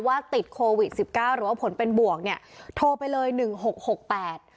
ติดโควิดสิบเก้าหรือว่าผลเป็นบวกเนี่ยโทรไปเลยหนึ่งหกหกแปด